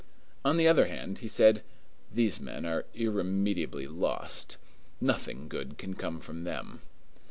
On the other hand, he said, "These men are irremediably lost. Nothing good can come from them."